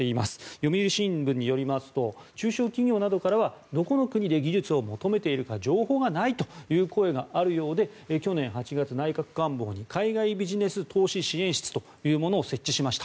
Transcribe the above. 読売新聞によりますと中小企業などからはどこの国で技術を求めているか情報がないという声があるようで去年８月、内閣官房に海外ビジネス投資支援室というものを設置しました。